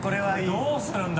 どうするんだ？